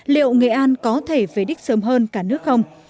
liệu nghệ an có thể về đích sớm hơn cả nước không